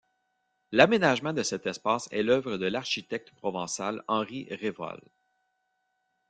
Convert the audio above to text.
L'aménagement de cet espace est l’œuvre de l'architecte provençal Henri Révoil.